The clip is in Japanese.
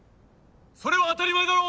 それは当たり前だろ！